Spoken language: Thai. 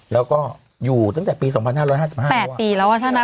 แล้วก็อยู่ตั้งแต่ปีสองพันห้าร้อยห้าสิบห้าปีแล้วว่ะ